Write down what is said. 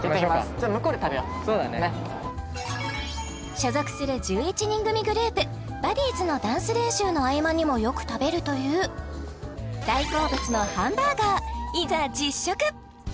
所属する１１人組グループＢＵＤＤｉｉＳのダンス練習の合間にもよく食べるという大好物のハンバーガーいざ実食！